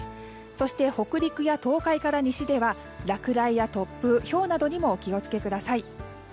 そして北陸や東海から西では落雷や突風、ひょうなどにもお気を付けください。